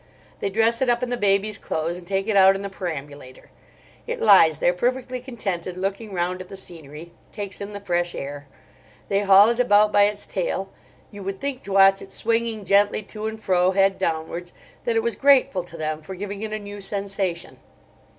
They dress it up in the baby's clothes and take it out in the perambulator: it lies there perfectly contented looking round at the scenery—takes in the fresh air. They haul it about by its tail. You would think, to watch it swinging gently to and fro head downwards, that it was grateful to them for giving it a new sensation.